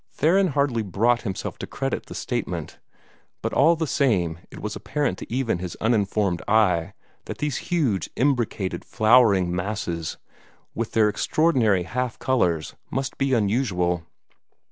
Theron hardly brought himself to credit the statement; but all the same it was apparent to even his uninformed eye that these huge, imbricated, flowering masses, with their extraordinary half colors, must be unusual.